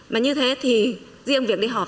mà như thế thì riêng việc đi họp